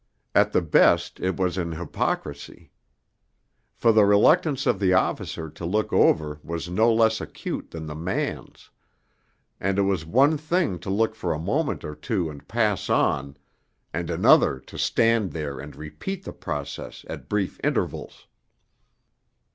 At the best it was an hypocrisy. For the reluctance of the officer to look over was no less acute than the man's; and it was one thing to look for a moment or two and pass on, and another to stand there and repeat the process at brief intervals.